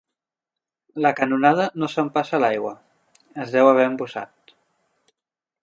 La canonada no s'empassa l'aigua: es deu haver embussat.